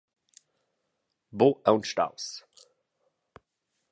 Buc aunc staus!